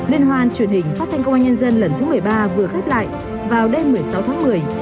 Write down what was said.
liên hoan truyền hình phát thanh công an nhân dân lần thứ một mươi ba vừa khép lại vào đêm một mươi sáu tháng một mươi